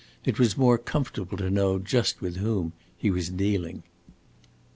It was more comfortable to know just with whom he was dealing.